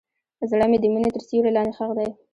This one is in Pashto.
زړه مې د مینې تر سیوري لاندې ښخ دی.